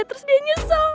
terus dia nyesel